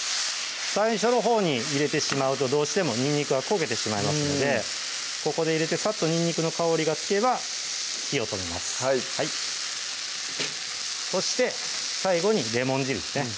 最初のほうに入れてしまうとどうしてもにんにくが焦げてしまいますのでここで入れてサッとにんにくの香りがつけば火を止めますはいそして最後にレモン汁ですね